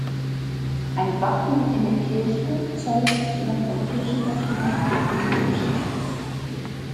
Ein Wappen in der Kirche zeugt noch vom Kirchenpatronat der Bülows.